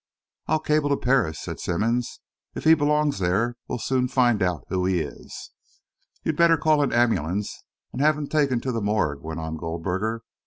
"I'll cable to Paris," said Simmonds. "If he belongs there, we'll soon find out who he is." "You'd better call an ambulance and have him taken to the morgue," went on Goldberger.